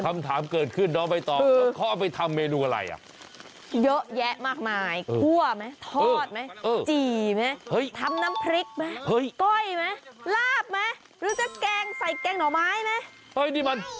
คำถามเกิดขึ้นน้องไอ้ต่อเขาเอาไปทำเมนูอะไรน่ะ